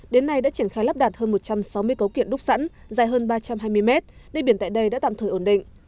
đến nay đã triển khai lắp đặt hơn một trăm sáu mươi cấu kiện đúc sẵn dài hơn ba trăm hai mươi mét nơi biển tại đây đã tạm thời ổn định